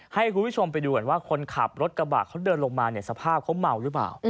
ให้คุณผู้ชมไปดูก่อนว่าคนขับรถกระบะเขาเดินลงมาเนี่ยสภาพเขาเมาหรือเปล่า